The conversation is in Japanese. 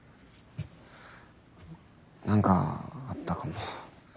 何かあったかも。